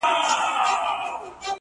اوس د چا پر پلونو پل نږدم بېرېږم،